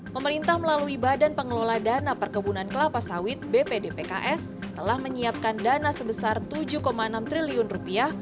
pemerintah melalui badan pengelola dana perkebunan kelapa sawit telah menyiapkan dana sebesar rp tujuh enam juta